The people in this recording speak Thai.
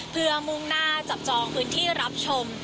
เพื่อมุ่งหน้าจับจองพื้นที่รับชม